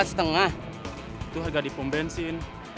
itu harga di pom bensin